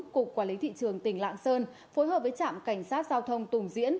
cục quản lý thị trường tỉnh lạng sơn phối hợp với trạm cảnh sát giao thông tùng diễn